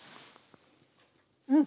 うん。